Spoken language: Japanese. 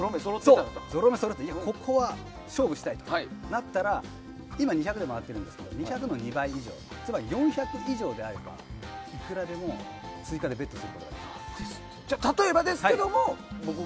ここは勝負したいとなったら今、２００で回っているんですが２００の２倍以上つまり４００以上であればいくらでも追加でベットすることができます。